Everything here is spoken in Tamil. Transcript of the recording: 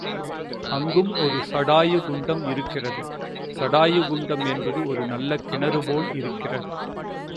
அங்கும் ஒரு சடாயு குண்டம் இருக்கிறது சடாயு குண்டம் என்பது ஒரு நல்ல கிணறு போல் இருக்கிறது.